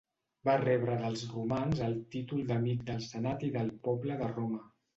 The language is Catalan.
Va rebre dels romans el títol d'amic del senat i del poble de Roma.